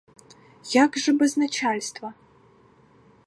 Як же без начальства?